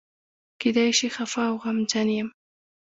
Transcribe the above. کېدای شي خپه او غمجن یم.